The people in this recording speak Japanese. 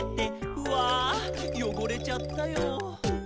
「うぁよごれちゃったよ」